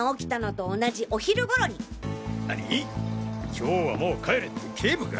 今日はもう帰れって警部が？